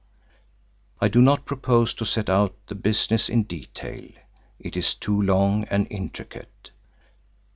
I do not propose to set out the business in detail; it is too long and intricate.